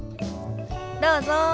どうぞ。